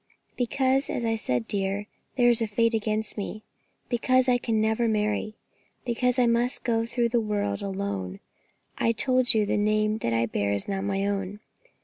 "Because, as I said, dear, there is a fate against me; because I can never marry; because I must go through the world alone. I told you that the name I bear is not my own.